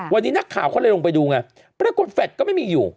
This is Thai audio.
วันนี้นักข่าวเขาเลยลงไปดูไงปรากฏแฟลตก็ไม่มีอยู่